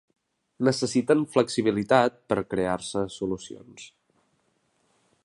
Necessiten flexibilitat per a crear-se solucions.